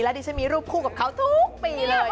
แล้วดิฉันรู้พูดกับเขาทุกปีเลย